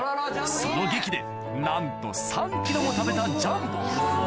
そのげきでなんと３ｋｇも食べたジャンボハハハ！